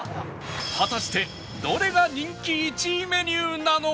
果たしてどれが人気１位メニューなのか？